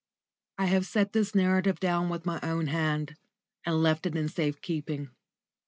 I have set this narrative out with my own hand, and left it in safe keeping.